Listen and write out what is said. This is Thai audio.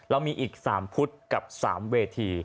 แล้วมีอีก๓พุธธกับ๓เวที